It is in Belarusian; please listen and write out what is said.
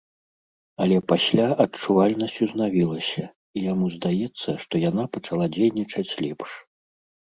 Але пасля адчувальнасць узнавілася, і яму здаецца, што яна пачала дзейнічаць лепш.